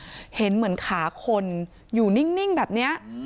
เขาบอกเห็นเหมือนขาคนอยู่นิ่งแบบเนี้ย